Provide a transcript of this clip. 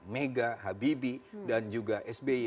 mega habibie dan juga sby